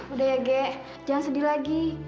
udah ya gek jangan sedih lagi